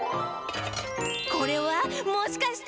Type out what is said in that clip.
これはもしかして？